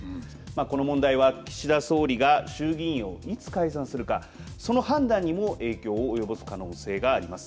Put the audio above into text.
この問題は岸田総理が衆議院をいつ解散するかその判断にも影響を及ぼす可能性があります。